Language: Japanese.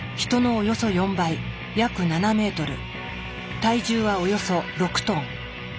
体重はおよそ６トン。